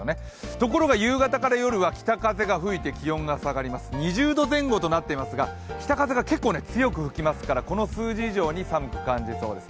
ところが夕方から夜にかけて２０度前後となっていますが、北風が結構強く吹きますからこの数字以上に寒く感じそうです。